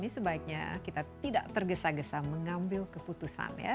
ini sebaiknya kita tidak tergesa gesa mengambil keputusan ya